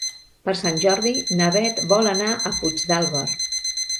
Per Sant Jordi na Beth vol anar a Puigdàlber.